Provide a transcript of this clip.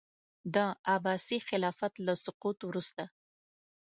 د عباسي خلافت له سقوط وروسته.